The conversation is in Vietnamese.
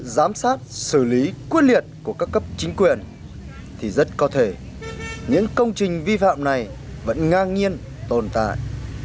giám sát xử lý quyết liệt của các cấp chính quyền thì rất có thể những công trình vi phạm này vẫn ngang nhiên tồn tại